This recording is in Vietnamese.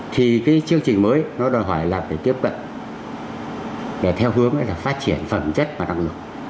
thì cái chương trình mới nó đòi hỏi là phải tiếp cận để theo hướng là phát triển phẩm chất và năng lực